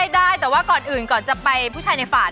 ได้แต่ว่าก่อนอื่นก่อนจะไปผู้ชายในฝ่าย